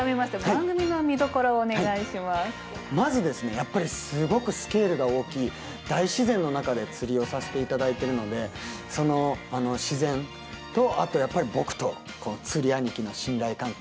やっぱりすごくスケールが大きい大自然の中で釣りをさせていただいてるので自然とあとやっぱり僕と釣り兄貴の信頼関係。